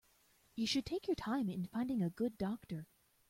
You should take your time in finding a good doctor.